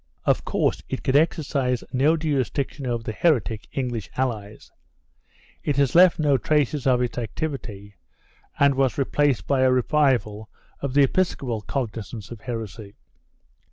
1 Of course it could exercise no jurisdiction over the heretic English allies; it has left no traces of its activity and was replaced by a revival of the epis copal cognizance of heresy.